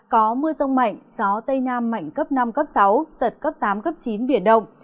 có mưa rông mạnh gió tây nam mạnh cấp năm sáu giật cấp tám chín biển đông